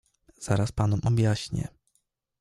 "Zaraz panom objaśnię."